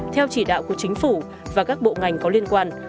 theo chỉ đạo của chính phủ và các bộ ngành có liên quan